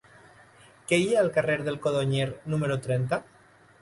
Què hi ha al carrer del Codonyer número trenta?